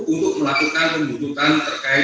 untuk melakukan pembuntutan terkait